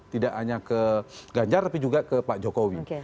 tidak hanya ke ganjar tapi juga ke pak jokowi